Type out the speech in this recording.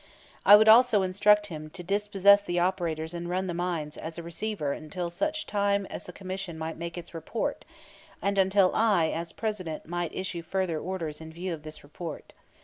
I would also instruct him to dispossess the operators and run the mines as a receiver until such time as the Commission might make its report, and until I, as President, might issue further orders in view of this report.